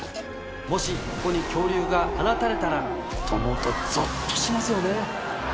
もしここに恐竜が放たれたらと思うとゾッとしますよね。